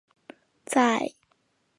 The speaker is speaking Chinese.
在清民两代都到了顶峰。